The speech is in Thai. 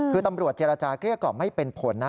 คือตำรวจเจรจาเกลี้ยกล่อมไม่เป็นผลนะ